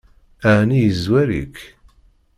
Ɛni yezwar-ik?